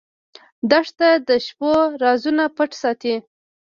دښته د شپو رازونه پټ ساتي.